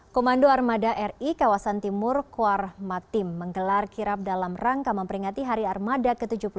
komando armada ri kawasan timur kuarmatim menggelar kirap dalam rangka memperingati hari armada ke tujuh puluh tiga